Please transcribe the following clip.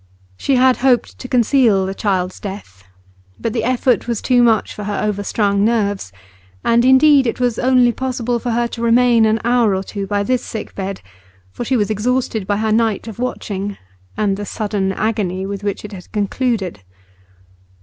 She had hoped to conceal the child's death, but the effort was too much for her overstrung nerves. And indeed it was only possible for her to remain an hour or two by this sick bed, for she was exhausted by her night of watching, and the sudden agony with which it had concluded.